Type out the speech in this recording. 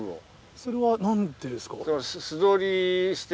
それは何でですか？